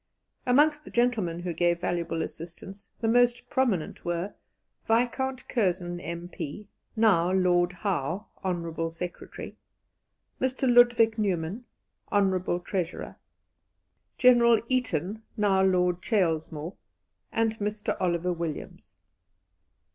Amongst the gentlemen who gave valuable assistance, the most prominent were: Viscount Curzon, M.P. (now Lord Howe), Hon. Secretary; Mr. Ludwig Neumann, Hon. Treasurer; General Eaton (now Lord Cheylesmore); and Mr. Oliver Williams.